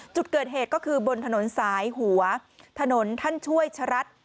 จุดเกิดเหตุก็คือบนถนนสายหัวถนนท่านช่วยชะรัฐ